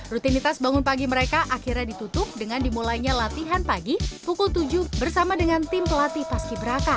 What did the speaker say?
rutinitas bangun pagi mereka akhirnya ditutup dengan dimulainya latihan pagi pukul tujuh bersama dengan tim pelatih paski beraka